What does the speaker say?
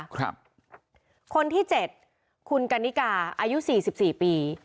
คนที่เจ็ดคุณกันนิกาอายุสี่สิบสี่ปี